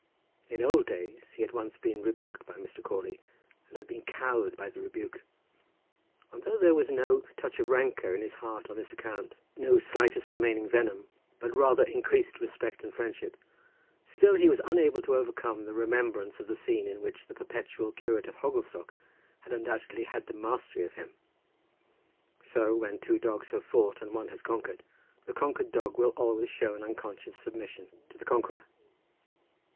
In old days he had once been rebuked by Mr. Crawley, and had been cowed by the rebuke; and though there was no touch of rancour in his heart on this account, no slightest remaining venom, but rather increased respect and friendship, still he was unable to overcome the remembrance of the scene in which the perpetual curate of Hogglestock had undoubtedly had the mastery of him. So, when two dogs have fought and one has conquered, the conquered dog will always show an unconscious submission to the conqueror.